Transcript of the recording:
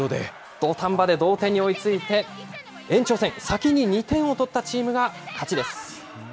土壇場で同点に追いついて、延長戦、先に２点を取ったチームが勝ちです。